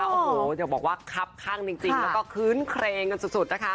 โอ้โหจะบอกว่าคับข้างจริงแล้วก็คื้นเครงกันสุดนะคะ